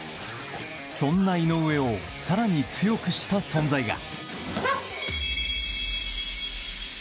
そんな井上を更に強くした存在が。